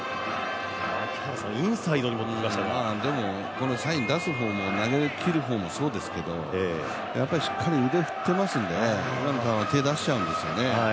このサイン出す方も投げきる方もそうですけどやっぱりしっかり腕振っていますんで、手を出しちゃうんですよね。